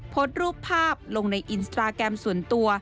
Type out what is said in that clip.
โพสต์รูปภาพลงในอินสตราแกรมส่วนตัว